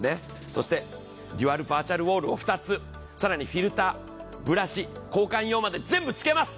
そしてデュアルバーチャルウォールを２つ、更にフィルター、ブラシ、交換用まで全部つけます。